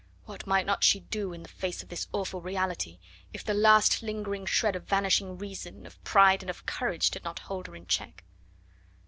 what might she not do in the face of this awful reality, if the last lingering shred of vanishing reason, of pride, and of courage did not hold her in check?